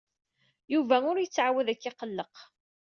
Yuba ur yettɛawad ad k-iqelleq.